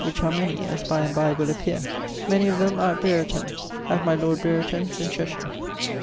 which are many, as by and by will appeare. Many of them are at Brereton at my lord Brereton's in Cheshire.